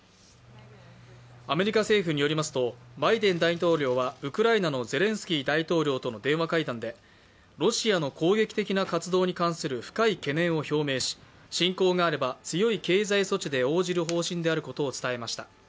アメリカ政府によりますと、バイデン大統領はウクライナのゼレンスキー大統領との電話会談で、ロシアの攻撃的な活動に関する深い懸念を表明し侵攻があれば強い経済措置で応じる方針であることを伝えました。